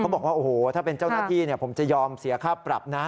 บอกว่าโอ้โหถ้าเป็นเจ้าหน้าที่ผมจะยอมเสียค่าปรับนะ